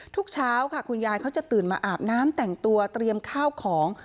ทุกเช้าค่ะคุณยายเขาจะตื่นมาอาบน้ำแต่งตัวเตรียมข้าวของ